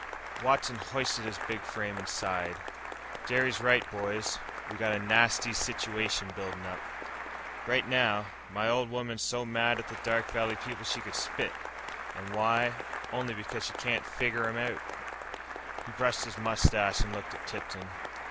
Watson hoisted his big frame, and sighed. "Jerry's right, boys. We got a nasty situation building up. Right now, my old woman's so mad at the Dark Valley people she could spit. And why? Only because she can't figger 'em out." He brushed his mustache and looked at Tipton.